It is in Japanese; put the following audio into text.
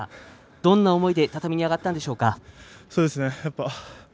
どんな思いで畳に上がったんでしょうか？